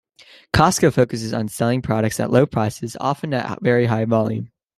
Costco focuses on selling products at low prices, often at very high volume.